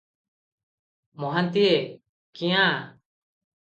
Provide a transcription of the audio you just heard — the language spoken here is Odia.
ମହାନ୍ତିଏ- କ୍ୟାଁ?